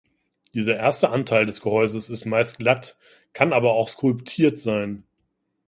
Dieser erste Anteil des Gehäuses ist meist glatt, kann aber auch skulptiert sein.